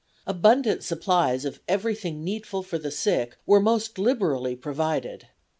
Abundant supplies of everything needful for the sick were most liberally provided.